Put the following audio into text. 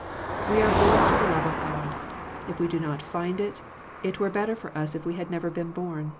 We were born for the love of God; if we do not find it, it were better for us if we had never been bom.